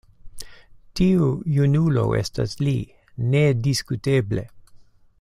Tiu junulo estas li nediskuteble.